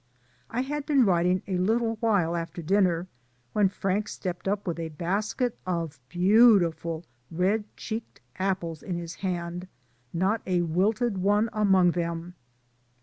I had been writing a little while after din ner, when Frank stepped up with a basket of beautiful red cheeked apples in his hand, not a wilted one among them.